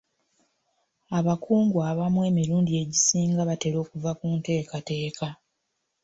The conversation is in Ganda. Abakungu abamu emirundi egisinga batera okuva ku nteekateeka.